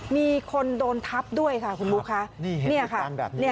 มีคนโดนทับด้วยค่ะคุณบุ๊คค่ะ